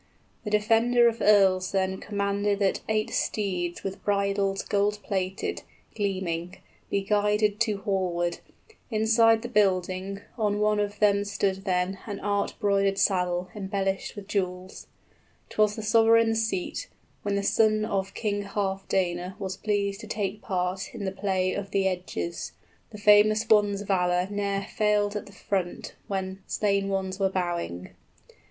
The defender of earls then Commanded that eight steeds with bridles 45 Gold plated, gleaming, be guided to hallward, Inside the building; on one of them stood then An art broidered saddle embellished with jewels; 'Twas the sovereign's seat, when the son of King Healfdene Was pleased to take part in the play of the edges; 50 The famous one's valor ne'er failed at the front when Slain ones were bowing.